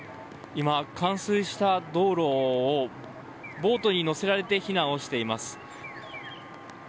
冠水した道路をボートに乗せられて避難をしています。